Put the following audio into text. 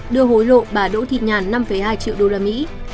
đưa hối lộ bà đỗ thịt nhàn năm hai triệu usd